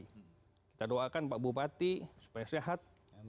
kita doakan pak bupati supaya sehat